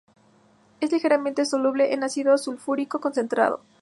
Es ligeramente soluble en ácido sulfúrico concentrado.